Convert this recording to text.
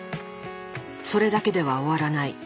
それだけでは終わらない。